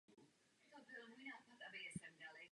Nábor v Severním Irsku probíhal v době vnitřních sporů.